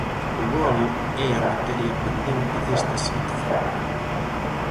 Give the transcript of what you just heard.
O gol é a materia pendente desta selección.